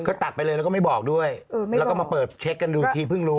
ก็ตัดไปเลยแล้วก็ไม่บอกด้วยแล้วก็มาเปิดเช็คกันดูอีกทีเพิ่งรู้